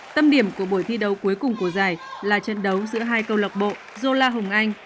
tâm điểm của buổi thi đấu cuối cùng của giải là trận đấu giữa hai câu lọc bộ zola hồng anh